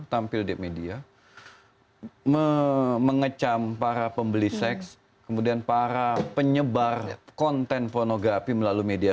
tampil di media mengecam para pembeli seks kemudian para penyebar konten pornografi melalui media